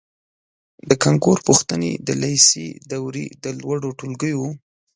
د کانکور پوښتنې د لېسې دورې د لوړو ټولګیو